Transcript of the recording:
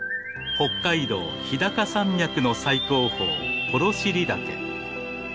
北海道日高山脈の最高峰幌尻岳。